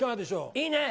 いいね。